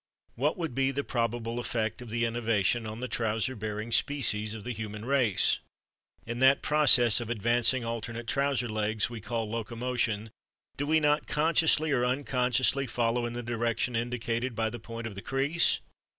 What would be the probable effect of the innovation on the trouser bearing species of the human race? In that process of advancing alternate trouser legs we call locomotion do we not consciously, or unconsciously, follow in the direction indicated by the point of the crease?